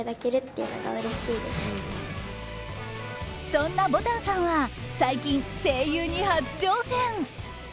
そんな、ぼたんさんは最近、声優に初挑戦。